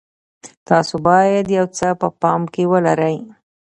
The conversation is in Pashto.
تاسو باید یو څه په پام کې ولرئ.